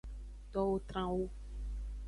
Towo tran wu.